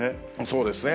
そうですね。